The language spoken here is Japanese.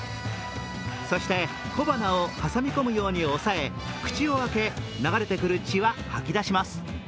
そして小鼻を挟み込むように押さえ、口を開け、流れてくる血は吐き出します。